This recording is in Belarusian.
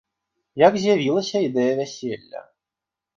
Як з'явілася ідэя вяселля?